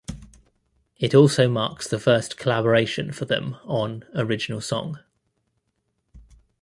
It also marks the first collaboration for them on original song.